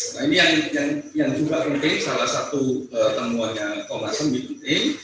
nah ini yang juga penting salah satu ketemuannya thomas sembik penting